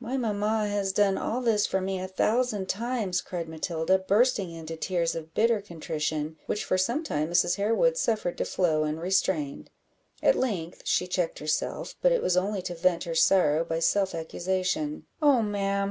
"My mamma has done all this for me a thousand times," cried Matilda, bursting into tears of bitter contrition, which, for some time, Mrs. Harewood suffered to flow unrestrained; at length she checked herself, but it was only to vent her sorrow by self accusation "Oh, ma'am!